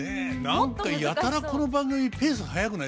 何かやたらこの番組ペース速くないですか？